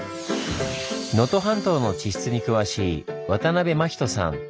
能登半島の地質に詳しい渡辺真人さん。